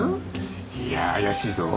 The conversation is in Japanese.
いや怪しいぞ。